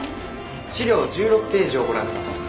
資料１６ページをご覧ください。